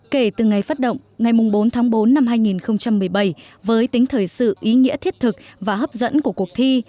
kể từ ngày phát động ngày bốn tháng bốn năm hai nghìn một mươi bảy với tính thời sự ý nghĩa thiết thực và hấp dẫn của cuộc thi